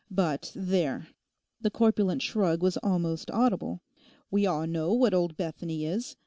But there,' the corpulent shrug was almost audible, 'we all know what old Bethany is.